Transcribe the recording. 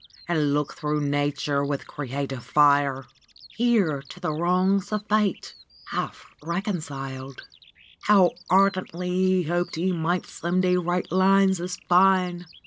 And look through nature with creative fire ; Here to the wrongs of fate half reconciled " How ardently he hoped that he might some day write lines as fine!